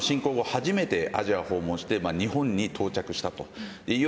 初めてアジアを訪問して日本に到着したという。